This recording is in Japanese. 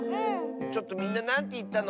ちょっとみんななんていったの？